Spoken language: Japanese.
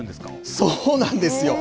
そうなんですよ。